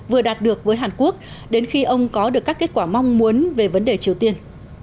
vừa đạt được với hàn quốc đến khi ông có được các kết quả mong muốn về vấn đề triều tiên